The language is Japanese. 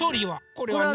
これはね